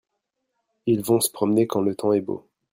ils vont se promener quand le temps est beau.